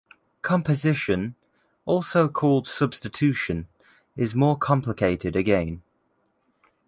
Composition, also called substitution, is more complicated again.